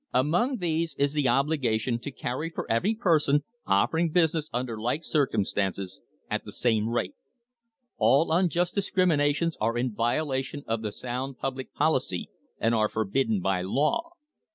"Among these is the obligation to carry for every person offering business under like circumstances, at the same rate. All unjust discriminations are in violation of the sound public policy, and are forbidden by law.